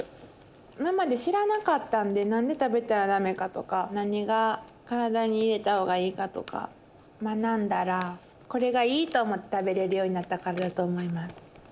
今まで知らなかったんで何で食べたら駄目かとか何が体に入れた方がいいかとか学んだらこれがいいと思って食べれるようになったからだと思います。